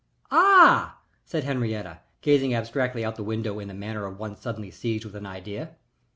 "Ah!" said Henriette, gazing abstractedly out of the window in the manner of one suddenly seized with an idea.